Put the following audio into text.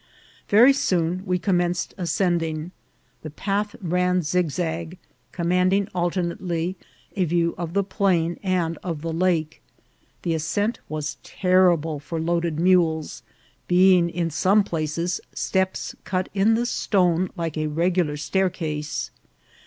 Very soon we commenced ascending ; the path ran zig zag, commanding alternately a view of the plain and of the lake. The ascent was terrible for loaded mules, being in some places steps cut in the stone like a regu lar staircase.